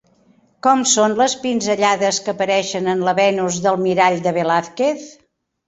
Com són les pinzellades que apareixen en la Venus del mirall de Velázquez?